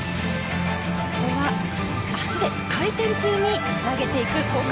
ここは足で回転中に投げていく交換。